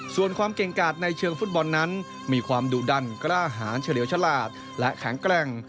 ส่วนความเก่งกาดในเชิงฟุตบอลนั้นมีความดุดันกล้าหารเฉลี่ยวฉลาดและแข็งแกร่ง